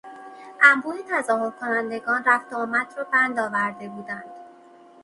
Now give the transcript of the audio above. انبوه تظاهر کنندگان رفت و آمد را بند آورده بوند.